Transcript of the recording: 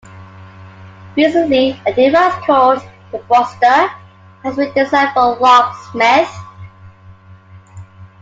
Recently, a device called "The Buster" has been designed for locksmiths.